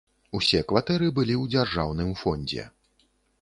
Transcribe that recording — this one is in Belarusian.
Усе кватэры былі ў дзяржаўным фондзе.